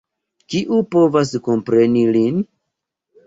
Kiu povas kompreni lin!